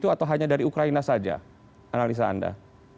atau hanya dari ukraina saja analisa anda